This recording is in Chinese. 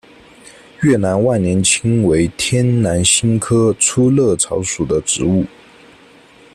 越南万年青为天南星科粗肋草属的植物。